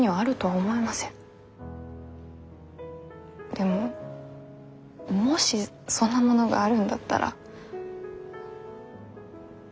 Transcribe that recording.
でももしそんなものがあるんだったら見つけましょう。